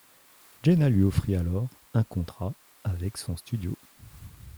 Jenna lui offrit alors un contrat avec son studio.